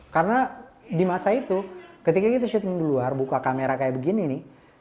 karena di masa itu ketika kita syuting di luar buka kamera kayak begini nih